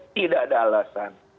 tidak ada alasan